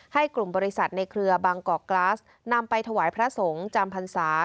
ให้กลุ่มบริษัทในเครือบางกอกกลาสนำไปถวายพระสงฆ์จำพรรษา